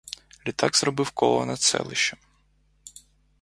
Літак зробив коло над селищем.